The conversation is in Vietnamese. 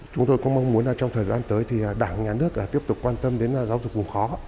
chúng tôi cũng mong muốn trong thời gian tới thì đảng nhà nước tiếp tục quan tâm đến giáo dục vùng khó